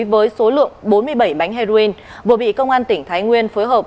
với số lượng bốn mươi bảy bánh heroin vừa bị công an tỉnh thái nguyên phối hợp